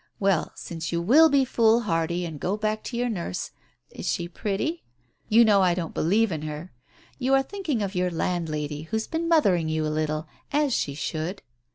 Well, since you will be foolhardy and go back to your nurse — is she pretty? You know I don't believe in her. You are thinking of your landlady, who's been mothering you a little, as she should."